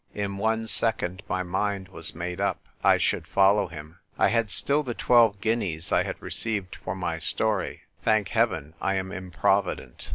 In one second my mind was made up. I should follow him. I had still the twelve guineas I had re ceived for my story. Thank heaven, I am improvident.